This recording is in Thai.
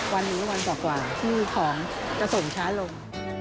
วันหนึ่งวันก่อนที่ของกระสงกท้ายช้าลง